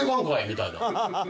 みたいな。